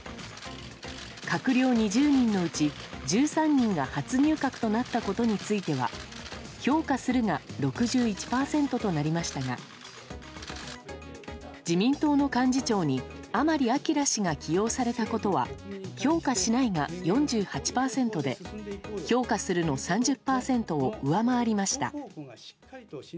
閣僚２０人のうち１３人が初入閣となったことについては評価するが６１％となりましたが自民党の幹事長に甘利明氏が起用されたことは評価しないが４８％で評価するの３０％を上回りました。